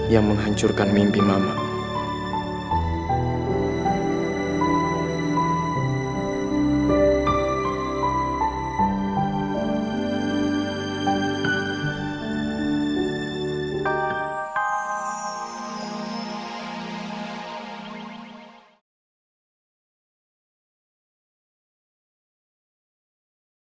yang menghancurkan mimpi mamaku